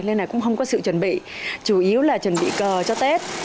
nên là cũng không có sự chuẩn bị chủ yếu là chuẩn bị cờ cho tết